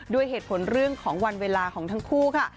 ด้วยเหตุผลเรื่องของวันเวลาของทั้งคู่ค่ะ